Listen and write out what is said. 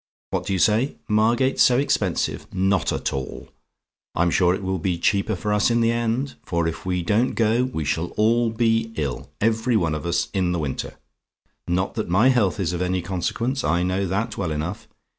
What do you say? "MARGATE'S SO EXPENSIVE? "Not at all. I'm sure it will be cheaper for us in the end; for if we don't go, we shall all be ill every one of us in the winter. Not that my health is of any consequence: I know that well enough.